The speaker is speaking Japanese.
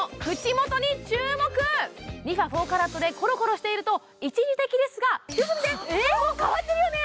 ＲｅＦａ４ＣＡＲＡＴでコロコロしていると、一時的ですが、変わってるよね？